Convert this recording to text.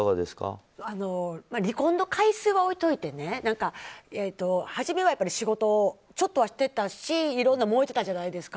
離婚の回数は置いておいてはじめは仕事ちょっとはしてたしいろんな燃えてたじゃないですか。